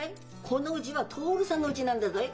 このうちは徹さんのうちなんだぞい。